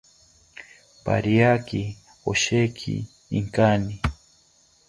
Pariaki osheki inkani